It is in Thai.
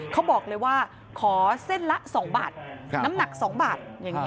เขาบอกเลยว่าขอเส้นละ๒บาทน้ำหนัก๒บาท